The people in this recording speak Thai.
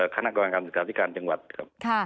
คณะกรรมการสุขาธิการจังหวัดค่ะ